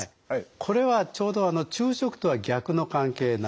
これはちょうど昼食とは逆の関係なんで。